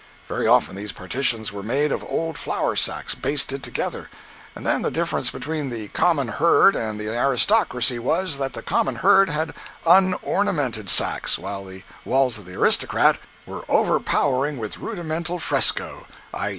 Very often these partitions were made of old flour sacks basted together; and then the difference between the common herd and the aristocracy was, that the common herd had unornamented sacks, while the walls of the aristocrat were overpowering with rudimental fresco—_i.